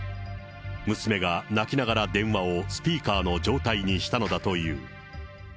娘が泣きながら電話をスピーカーの状態にしたのだという。